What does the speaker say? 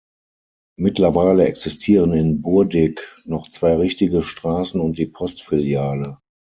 Mittlerweile existieren in Burdick noch zwei richtige Straßen und die Postfiliale.